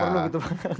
gak perlu gitu pak